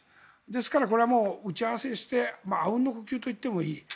ですから、打ち合わせして阿吽の呼吸と言ってもいい。